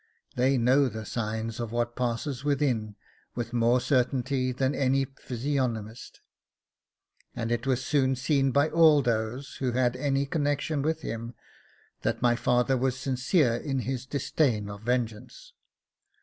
They know the signs of what passes within with more certainty than any physiognomist, and it was soon seen by all those who had any connection with him that my father was sincere in his disdain of vengeance.